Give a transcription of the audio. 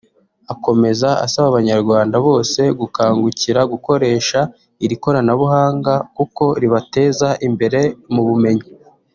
Akomeza asaba abanyarwanda bose gukangukira gukoresha iri koranabuhanga kuko ribateza imbere mu bumenyi